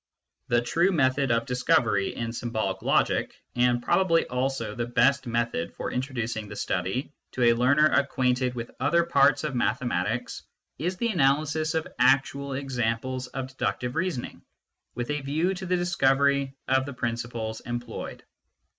The true method of discovery in symbolic logic, and probably also the best method for introducing the study to a learner acquainted with other parts of mathematics, is the analysis of actual examples of deductive reasoning, with a view to the discovery of the principles employed.